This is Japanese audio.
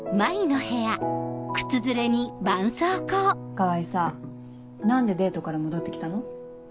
川合さ何でデートから戻って来たの？